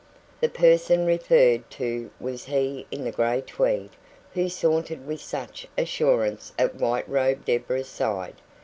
The person referred to was he in the grey tweed, who sauntered with such assurance at white robed Deborah's side.